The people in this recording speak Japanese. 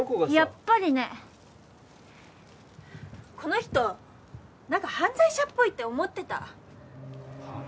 やっぱりねこの人何か犯罪者っぽいって思ってたはあ？